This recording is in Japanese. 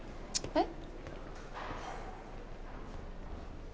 えっ？